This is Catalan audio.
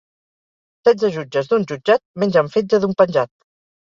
Setze jutges d'un jutjat mengen fetge d'un penjat